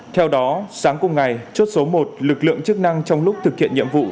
theo đó sáng cùng ngày chốt số một lực lượng chức năng trong lúc thực hiện nhiệm vụ